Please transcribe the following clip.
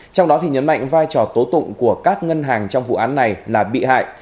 trong đó nhấn mạnh vai trò tố tụng của các ngân hàng trong vụ án này là bị hại